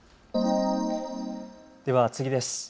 では次です。